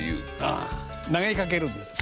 あ投げかけるんですね。